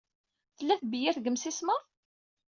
Tella tebyirt deg yimsismeḍ?